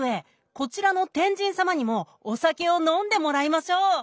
こちらの天神様にもお酒を飲んでもらいましょう。